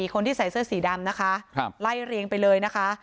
คนที่ใส่เสื้อสีดำนะคะไล่เรียงไปเลยนะคะ